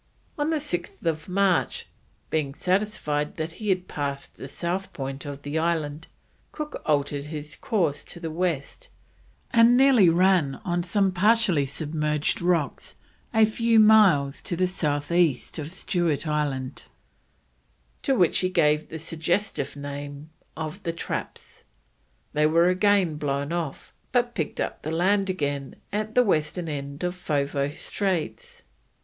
On 6th March, being satisfied that he had passed the south point of the island, Cook altered his course to the west, and nearly ran on some partially submerged rocks a few miles to the south east of Stewart Island, to which he gave the suggestive name of the Traps. They were again blown off, but picked up the land again at the western end of Foveaux Straits.